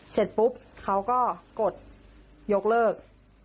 เสร็จปุ๊บเขาก็กดยกเลิก